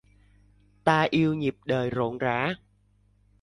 Ta yêu nhịp đời rộn rã